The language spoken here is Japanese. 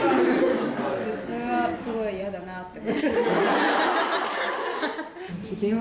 それはすごい嫌だなって思います。